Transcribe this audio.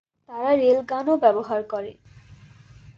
তারা রেলগানও ব্যবহার করে।